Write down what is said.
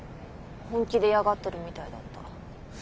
本気で嫌がってるみたいだった。